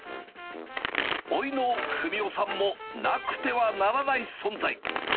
おいの文夫さんもなくてはならない存在。